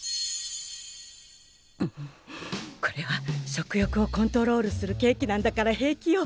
んこれは食欲をコントロールするケーキなんだから平気よ。